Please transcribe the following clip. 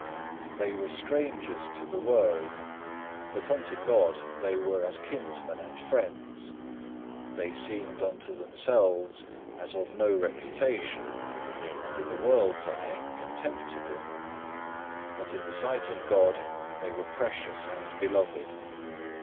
4. They were strangers to the world, but unto God they were as kinsmen and friends. They seemed unto themselves as of no reputation, and in the world's eyes contemptible; but in the sight of God they were precious and beloved.